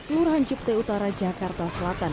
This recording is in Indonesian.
nurhanjubte utara jakarta selatan